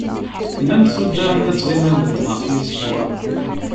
Llant tuddar anda ttɣiman medden ɣef yiẓekwan.